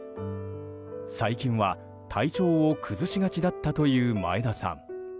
最近は体調を崩しがちだったという前田さん。